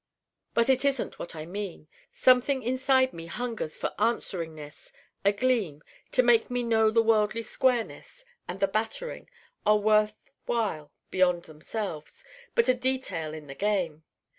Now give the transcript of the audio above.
But it isn't what I mean. Something inside me hungers for answeringness a Gleam to make me know the worldly squareness and the battering are worth while beyond themselves: but a detail in the game.